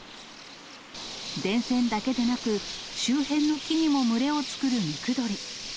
電線だけでなく、周辺の木にも群れを作るムクドリ。